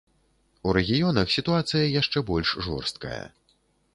У рэгіёнах сітуацыя яшчэ больш жорсткая.